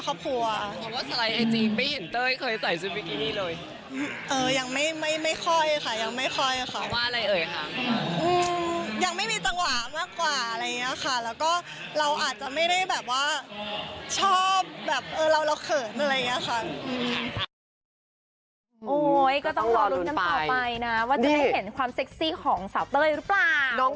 ก็ต้องรอลุ้นกันต่อไปนะว่าจะได้เห็นความเซ็กซี่ของสาวเตยรึเปล่า